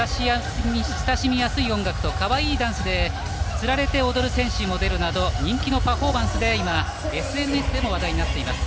親しみやすい音楽とかわいいダンスにつられて踊る選手も出るなど人気のパフォーマンスで ＳＮＳ で話題になっています。